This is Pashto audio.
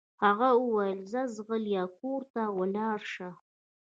هغه وويل ځه ځغله او کور ته ولاړه شه.